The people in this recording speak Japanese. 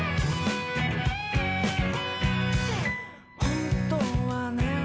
本当はね